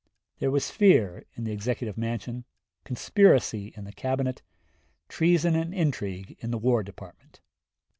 There was fear in the Executive Mansion, conspiracy in the Cabinet, treason and intrigue in the War Department.